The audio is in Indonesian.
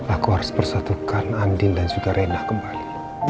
aku harus bersatukan andin dan juga rena kembali